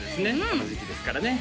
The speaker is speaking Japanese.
この時期ですからね